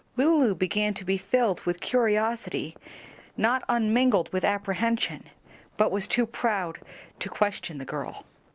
Lulu began to be filled with curiosity not unmingled with apprehension, but was too proud to question the girl.